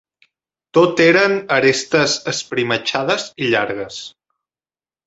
Tot eren arestes esprimatxades i llargues